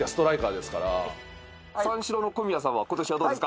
三四郎の小宮さんは今年はどうですか？